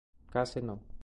Case No.